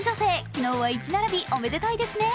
昨日は１並び、おめでたいですね。